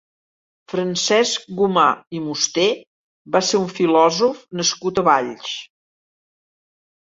Francesc Gomà i Musté va ser un filòsof nascut a Valls.